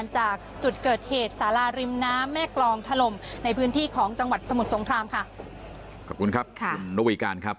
จากจุดเกิดเหตุสาราริมน้ำแม่กรองถล่มในพื้นที่ของจังหวัดสมุทรสงครามค่ะขอบคุณครับคุณนวีการครับ